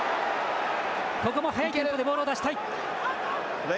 ここも速い勢いでボールを出したい。